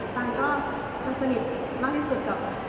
ตันก็จะสนิทมากที่สุดกับ